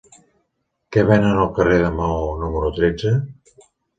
Què venen al carrer de Maó número tretze?